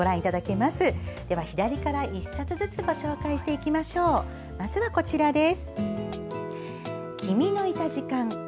まずはこちらです。